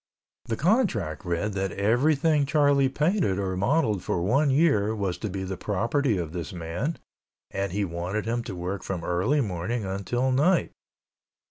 The contract read that everything Charlie painted or modeled for one year was to be the property of this man and he wanted him to work from early morning until night.